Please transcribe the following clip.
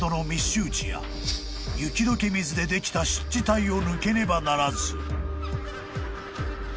［雪解け水でできた湿地帯を抜けねばならず］